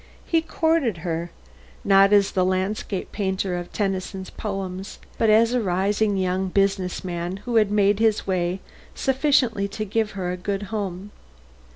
He courted her not as the landscape painter of Tennyson's poem but as a rising young business man who had made his way sufficiently to give her a good home.